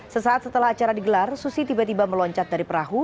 sesaat setelah acara digelar susi tiba tiba meloncat dari perahu